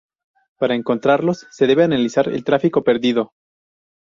Para encontrarlos, se debe analizar el tráfico perdido.